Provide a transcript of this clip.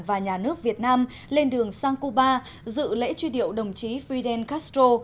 và nhà nước việt nam lên đường sang cuba dự lễ truy điệu đồng chí fidel castro